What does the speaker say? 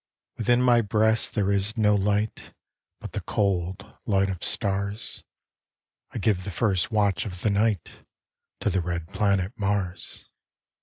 Within my breast there is no light, But the cold light of stars; I give the first watch of the night To the red planet Mars.